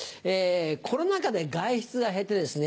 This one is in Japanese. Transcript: コロナ禍で外出が減ってですね